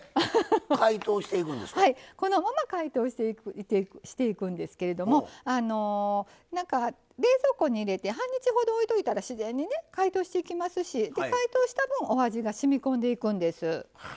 このまま解凍していくんですけれども冷蔵庫に入れて半日ほどおいといたら自然にね解凍していきますし解凍した分お味がしみこんでいくんです。